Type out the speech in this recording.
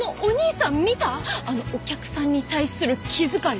あのお客さんに対する気遣い！